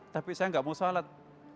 tapi saya enggak mau shalat